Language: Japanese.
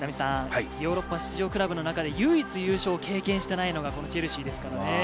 ヨーロッパ出場クラブの中で唯一優勝を経験していないのがチェルシーですからね。